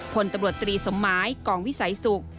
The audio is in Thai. พลตำรวจตรีสมหมายกองวิสัยศุกร์